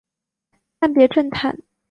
暂别政坛。